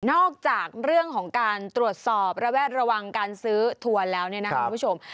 จากเรื่องของการตรวจสอบระแวดระวังการซื้อทัวร์แล้วเนี่ยนะคุณผู้ชม